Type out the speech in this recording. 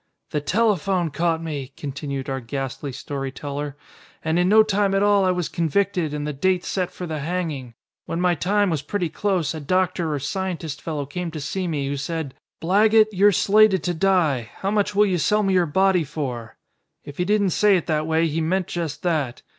"The telephone caught me," continued our ghastly story teller, "and in no time at all I was convicted and the date set for the hanging. When my time was pretty close a doctor or scientist fellow came to see me who said, 'Blaggett, you're slated to die. How much will you sell me your body for?' If he didn't say it that way he meant just that.